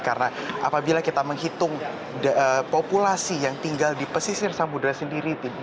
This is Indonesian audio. karena apabila kita menghitung populasi yang tinggal di pesisir semudra sendiri